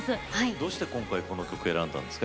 どうして今回、この曲を選んだんですか？